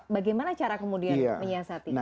bagaimana cara kemudian menyiasatinya